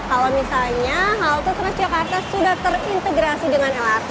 kalau misalnya halte transjakarta sudah terintegrasi dengan lrt